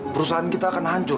perusahaan kita akan hancur